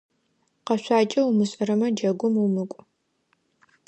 Къэшъуакӏэ умышӏэрэмэ, джэгум умыкӏу.